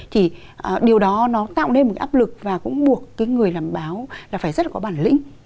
thì điều đó nó tạo nên một cái áp lực và cũng buộc cái người làm báo là phải rất là có bản lĩnh